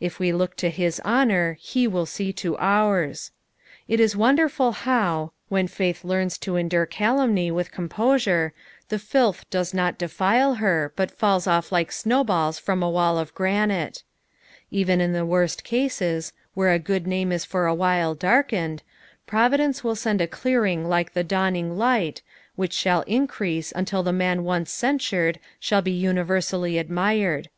If we look to his honour, he wilt see to ours. It is wonderful how, when faith lefirns to endure calumny with composure, the tilth does not deSlo her, but fulls off like snow balU from a wall of granite. Even in the worst cases, where a §ood name is for awhile darkened, Providence will send a clearing like the awning light, which shall increase until the man once censured shall be uni versally admired.